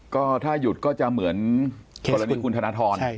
ก็ถ้าหยุดก็จะเหมือนกรณีคุณธนทร